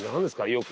よく。